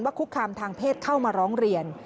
คุกคามทางเพศเข้ามาร้องเรียน